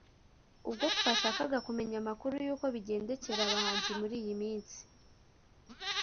ubwo twashakaga kumenya amakuru y'uko bigendekera abahanzi muri iyi minsi